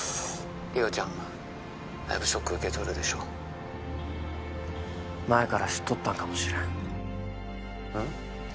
だいぶショック受けとるでしょう前から知っとったんかもしれんうん？